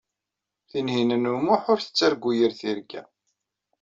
Tinhinan u Muḥ ur tettargu yir tirga.